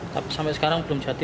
tapi sampai sekarang belum jadi